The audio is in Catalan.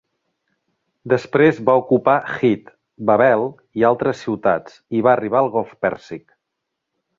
Després va ocupar Hit, Babel i altres ciutats i va arribar al golf pèrsic.